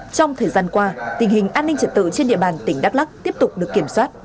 trong thời gian qua tình hình an ninh trật tự trên địa bàn tỉnh đắk lắc tiếp tục được kiểm soát